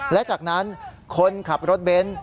และจากนั้นคนขับรถเบนท์